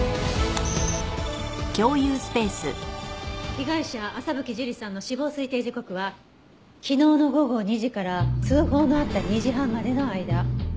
被害者朝吹樹里さんの死亡推定時刻は昨日の午後２時から通報のあった２時半までの間。